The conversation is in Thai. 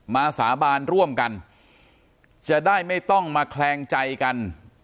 สาบานร่วมกันจะได้ไม่ต้องมาแคลงใจกัน